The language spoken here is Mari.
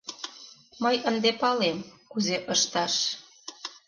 Мый ынде палем, кузе ышташ...